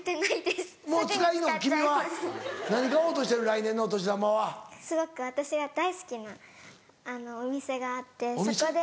すごく私が大好きなお店があってそこで。